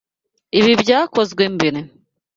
Ibi byakozwe mbere?